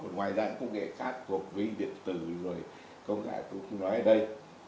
ngoài ra cũng có công nghệ khác gồm điện tử rồi công nghệ cũng nói ở đây